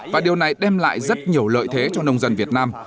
và điều này đem lại rất nhiều lợi thế cho nông dân việt nam